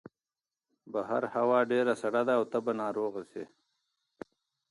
بهر هوا ډېره سړه ده او ته به ناروغه شې.